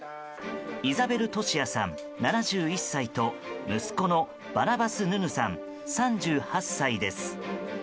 イザベル・トシアさん、７１歳と息子のバナバス・ヌヌさん３８歳です。